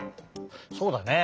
そうだね。